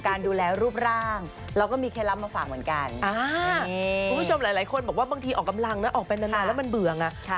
คุณผู้ชมหลายคนบอกว่าบางทีออกกำลังนะออกไปนานแล้วมันเบื่องอ่ะ